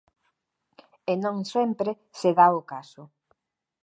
E non sempre se dá o caso.